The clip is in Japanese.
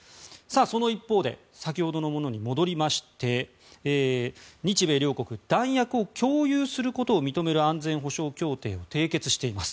その一方で先ほどのものに戻りまして日米両国弾薬を共有することを認める安全保障協定を締結しています。